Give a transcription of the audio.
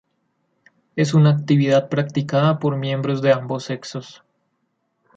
Es una actividad practicada por miembros de ambos sexos.